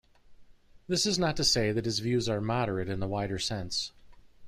This is not to say that his views are moderate in the wider sense.